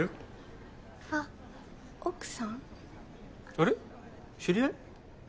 あれ知り合い？